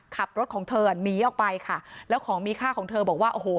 ขับรถของเธอหนีออกไปค่ะแล้วของมีค่าของเธอบอกว่าโอ้โห